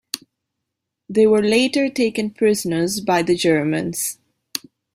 They were later taken prisoners by the Germans.